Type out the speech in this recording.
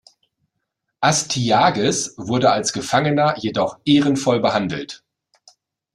Astyages wurde als Gefangener jedoch ehrenvoll behandelt.